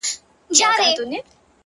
يوې انجلۍ په لوړ اواز كي راته ويــــل ه-